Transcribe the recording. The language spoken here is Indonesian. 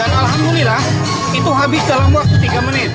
dan alhamdulillah itu habis dalam waktu tiga menit